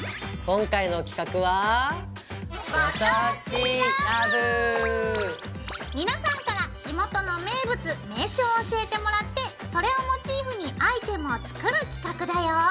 今回の企画は皆さんから地元の名物名所を教えてもらってそれをモチーフにアイテムを作る企画だよ。